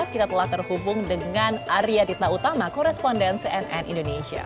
kita telah terhubung dengan arya dita utama koresponden cnn indonesia